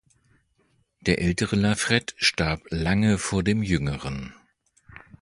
Der ältere La Frette starb lange vor dem Jüngeren.